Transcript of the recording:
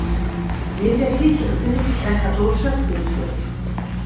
Neben der Kirche befindet sich ein katholischer Friedhof.